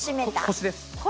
腰です。